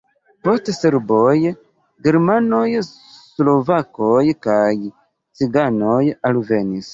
Poste serboj, germanoj, slovakoj kaj ciganoj alvenis.